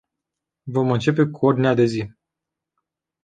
Vom începe cu ordinea de zi.